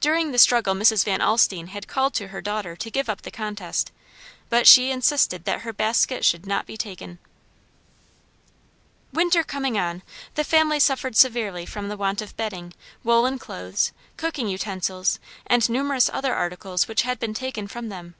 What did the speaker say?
During the struggle Mrs. Van Alstine had called to her daughter to give up the contest; but she insisted that her basket should not be taken. [Illustration: DARING EXPLOIT OF MISS VAN ALSTINE] Winter coming on, the family suffered severely from the want of bedding, woolen clothes, cooking utensils, and numerous other articles which had been taken from them.